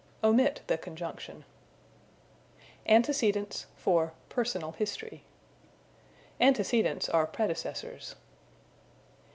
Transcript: Omit the conjunction. Antecedents for Personal History. Antecedents are predecessors.